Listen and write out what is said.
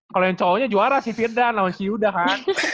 kalo yang cowoknya juara sih firdan lawan si yuda kan